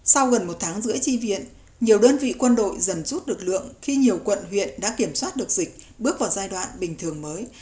sau gần một tháng rưỡi chi viện nhiều đơn vị quân đội dần rút lực lượng khi nhiều quận huyện đã kiểm soát được dịch bước vào giai đoạn bình thường mới